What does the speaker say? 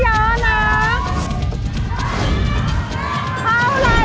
เท่าไรเท่าไร